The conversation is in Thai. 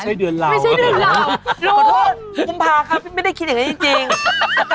แต่นางแม่น่าให้นะ